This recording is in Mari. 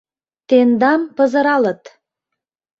— Тендам пызыралыт...